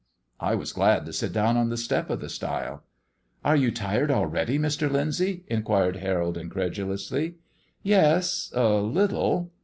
I was glad to sit down on the step of the stile. "Are you tired already, Mr. Lyndsay?" inquired Harold incredulously. "Yes, a little."